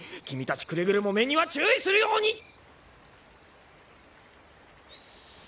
君たちくれぐれも目には注意するように！